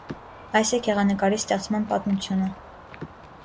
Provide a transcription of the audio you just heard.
Այս է գեղանկարի ստեղծման պատմությունը։